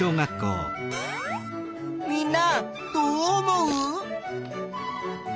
みんなどう思う？